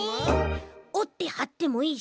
おってはってもいいし。